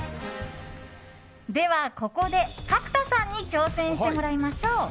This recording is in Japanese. では、ここで角田さんに挑戦してもらいましょう。